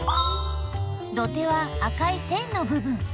土手は赤い線のぶ分。